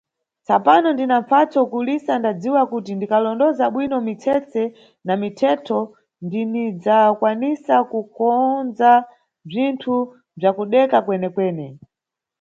Tsapano ndina mpfatso ukulisa ndadziwa kuti ndikalondoza bwino mitsetse na mithetho ndinidzakwanisa kukonza bzinthu bzakudeka kwene-kwene.